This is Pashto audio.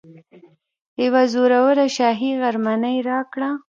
یوه زوروره شاهي غرمنۍ راکړه.